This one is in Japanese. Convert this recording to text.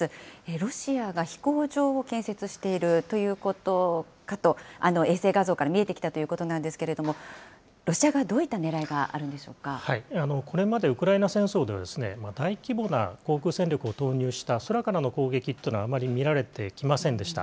ロシアが飛行場を建設しているということかと衛星画像から見えてきたということなんですけれども、ロシア側はどういったねらいがあこれまでウクライナ戦争では、大規模な航空戦力を投入した空からの攻撃というのはあまり見られてきませんでした。